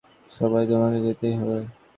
সভায় তোমাকে যেতেই হবে।